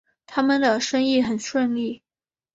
他们的生意很顺利